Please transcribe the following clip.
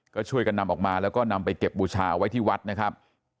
ก็ช่วยกันนำออกมาแล้วก็นำไปเก็บบูชาเอาไว้ที่วัดนะครับ